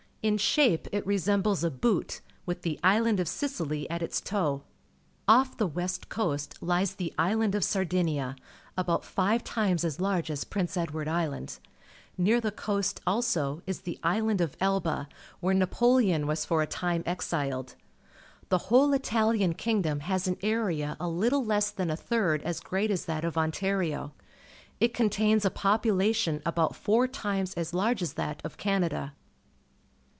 In shape it resembles a boot, with the island of Sicily at its toe. Off the west coast lies the island of Sardinia, about five times as large as Prince Edward Island. Near the coast, also, is the island of Elba, where Napoleon was for a time exiled. The whole Italian kingdom has an area a little less than a third as great as that of Ontario. It contains a population about four times as large as that of Canada.